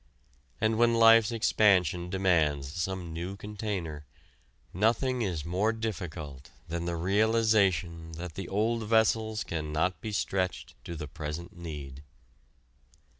And when life's expansion demands some new container, nothing is more difficult than the realization that the old vessels cannot be stretched to the present need.